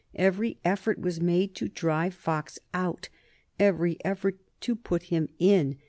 Every effort was made to drive Fox out, every effort to put him in.